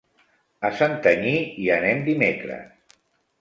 A Santanyí hi anem dimecres.